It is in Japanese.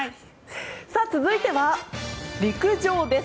続いては、陸上です。